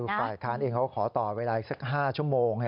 ความสะกดของการเองเขาขอต่อเวลาอีกสัก๕ชั่วโมง